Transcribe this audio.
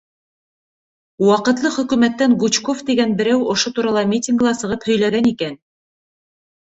Ваҡытлы хөкүмәттән Гучков тигән берәү ошо турала митингыла сығып һөйләгән икән.